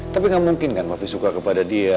tapi gak mungkin kan waktu suka kepada dia